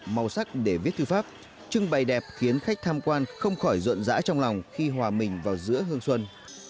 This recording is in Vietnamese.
màu sắc để viết thư pháp trưng bày đẹp khiến khách tham quan không khỏi rộn rã trong lòng khi hòa mình vào giữa hương xuân